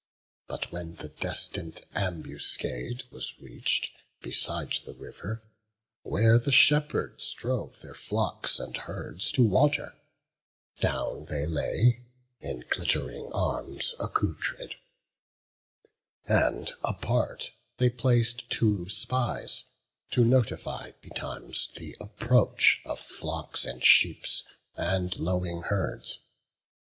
But when the destin'd ambuscade was reach'd, Beside the river, where the shepherds drove Their flocks and herds to water, down they lay, In glitt'ring arms accoutred; and apart They plac'd two spies, to notify betimes Th' approach of flocks of sheep and lowing herds.